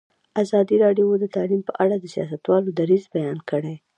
ازادي راډیو د تعلیم په اړه د سیاستوالو دریځ بیان کړی.